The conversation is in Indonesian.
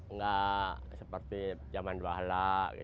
nggak seperti zaman dua ala